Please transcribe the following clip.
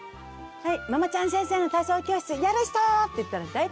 はい。